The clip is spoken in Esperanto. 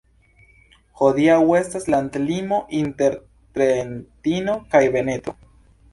Hodiaŭ estas landlimo inter Trentino kaj Veneto.